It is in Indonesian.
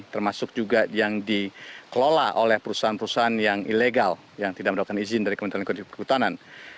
termasuk juga yang dikelola oleh perusahaan perusahaan yang ilegal yang tidak mendapatkan izin dari kementerian lingkungan hidup republik indonesia